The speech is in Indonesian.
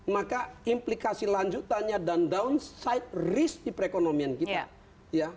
maka implikasi lanjutannya dan downside risk di perekonomian kita